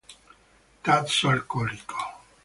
Tasso alcolico